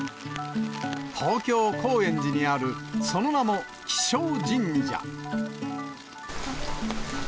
東京・高円寺にある、その名も、気象神社。